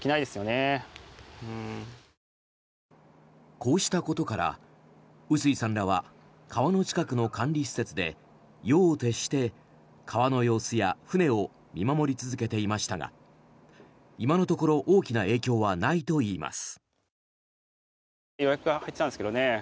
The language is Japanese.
こうしたことから臼井さんらは川の近くの管理施設で夜を徹して、川の様子や船を見守り続けていましたが今のところ大きな影響はないといいます。